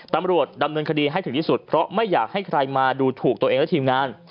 ตำรวจดำเนินคดีให้ถึงที่สุดเพราะไม่อยากให้ใครมาดูถูกตัวเองและทีมงาน